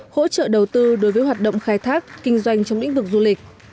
hỗ trợ đầu tư đối với hoạt động khai thác kinh doanh trong lĩnh vực du lịch